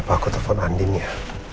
apa aku telepon andin ya